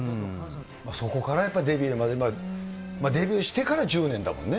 そこからやっぱデビューまで、デビューしてから１０年だもんね。